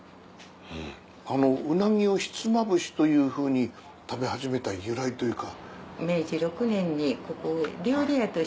ウナギをひつまぶしというふうに食べ始めた由来というか。